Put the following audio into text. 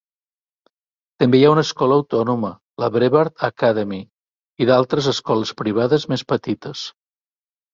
També hi ha una escola autònoma, la Brevard Academy, i d'altres escoles privades més petites.